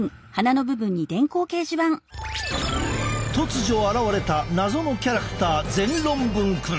突如現れた謎のキャラクター全論文くん！